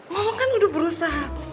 mama kan udah berusaha